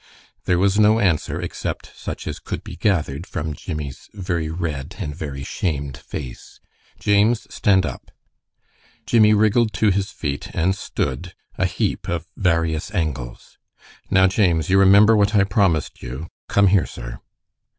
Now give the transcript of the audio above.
There was no answer, except such as could be gathered from Jimmie's very red and very shamed face. "James, stand up!" Jimmie wriggled to his feet, and stood a heap of various angles. "Now, James, you remember what I promised you? Come here, sir!"